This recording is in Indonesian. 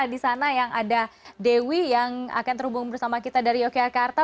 di sana yang ada dewi yang akan terhubung bersama kita dari yogyakarta